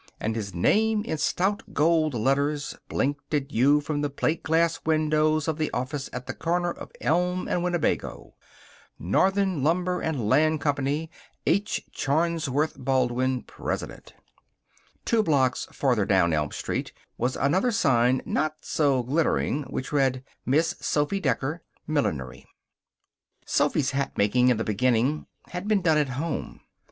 And his name, in stout gold letters, blinked at you from the plate glass windows of the office at the corner of Elm and Winnebago: NORTHERN LUMBER AND LAND COMPANY H. Charnsworth Baldwin, Pres. Two blocks farther down Elm Street was another sign, not so glittering, which read: Miss Sophy Decker Millinery Sophy's hatmaking, in the beginning, had been done at home.